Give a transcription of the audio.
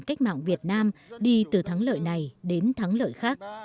cách mạng việt nam đi từ thắng lợi này đến thắng lợi khác